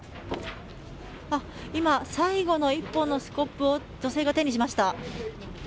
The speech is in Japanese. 今、最後の１本のスコップを女性が手にしました。